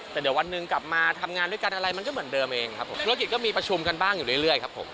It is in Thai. แต่เดี๋ยววันหนึ่งกลับมาทำงานด้วยกันอะไรมันก็เหมือนเดิมเองครับผมธุรกิจก็มีประชุมกันบ้างอยู่เรื่อยครับผม